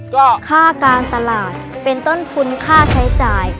ก็ค่าการตลาดเป็นต้นทุนค่าใช้จ่าย